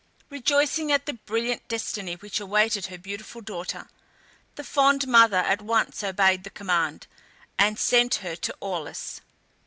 Rejoicing at the brilliant destiny which awaited her beautiful daughter, the fond mother at once obeyed the command, and sent her to Aulis.